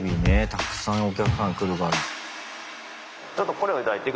たくさんお客さん来るから。